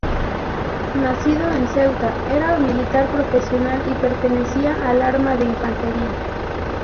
Nacido en Ceuta, era militar profesional y pertenecía al arma de infantería.